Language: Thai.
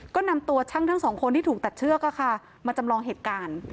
ก็นำตัวช่างทั้งสองคนที่ถูกตัดเชือกมาจำลองเหตุการณ์